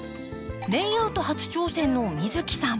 レイアウト初挑戦の美月さん。